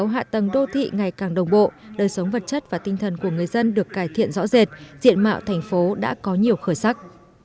hạ tầng đô thị ngày càng đồng bộ đời sống vật chất và tinh thần của người dân được cải thiện rõ rệt diện mạo thành phố đã có nhiều khởi sắc